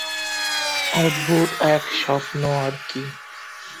অদ্ভুত এক স্বপ্ন আর কি।